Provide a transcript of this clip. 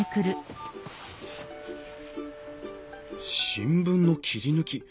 新聞の切り抜き